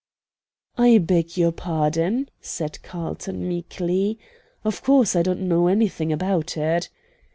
"I beg your pardon," said Carlton, meekly. "Of course I don't know anything about it."